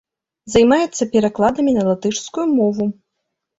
Займаецца перакладамі на латышскую мову.